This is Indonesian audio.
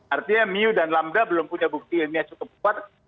artinya mu dan lambda belum punya bukti ilmiah cukup kuat